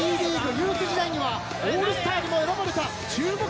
ユース時代にはオールスターにも選ばれた注目の２年生。